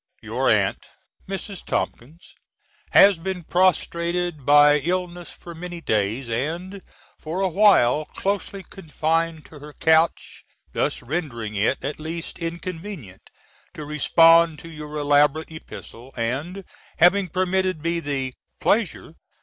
Your Aunt, Mrs. Tompkins, has been prostrated by illness for many days, and, for a while, closely confined to her couch; thus rendering it at least inconvenient to respond to your elaborate epistle, and, having permitted me the pleasure